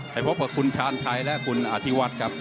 ให้พบกับคุณชาญชายและคุณอธิวัตรครับ